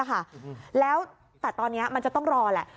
แล้วแต่ตอนนี้มันจะต้องรอแหละ